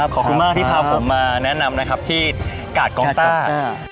ขอบคุณมากที่พาผมมาแนะนำนะครับที่กาดกองต้า